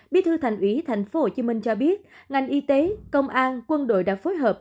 bí thư thành ủy tp hcm cho biết ngành y tế công an quân đội đã phối hợp